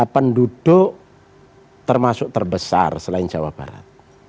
penduduk termasuk terbesar selain jawa barat